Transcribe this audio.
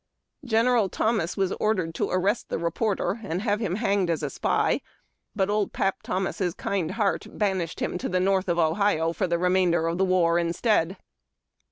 General Thomas was ordered to arrest the reporter, and have him hanged as a spy ; but old " Pap " Thomas' kind heart banished him to the north of the Ohio for the remainder of the war, instead.